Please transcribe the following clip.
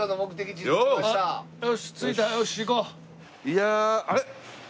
いやあれっ？